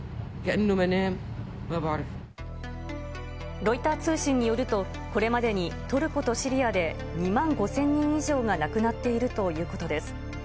ロイター通信によると、これまでにトルコとシリアで、２万５０００人以上が亡くなっているということです。